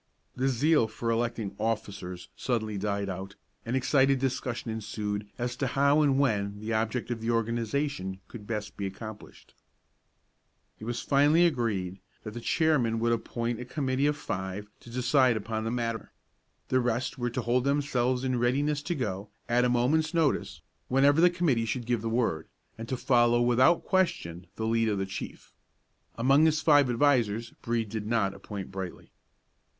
The zeal for electing officers suddenly died out, and excited discussion ensued as to how and when the object of the organization could be best accomplished. It was finally agreed that the chairman should appoint a committee of five to decide upon that matter. The rest were to hold themselves in readiness to go, at a moment's notice, whenever the committee should give the word, and to follow without question the lead of the chief. Among his five advisers Brede did not appoint Brightly.